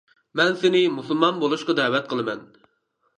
مەن سېنى مۇسۇلمان بولۇشقا دەۋەت قىلىمەن.